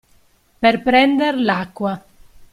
Per prender l'acqua.